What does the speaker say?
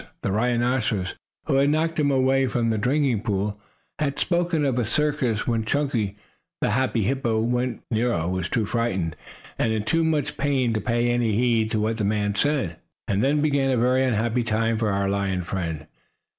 The rhinoceros, who had knocked him away from the drinking pool, had spoken of a "circus" where Chunky, the happy hippo, went. But Nero was too frightened and in too much pain to pay any heed to what the men said. And then began a very unhappy time for our lion friend.